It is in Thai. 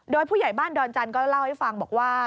โดยผู้ใหญ่บ้านดอนจันทร์ก็เล่าให้ฟังบอกว่า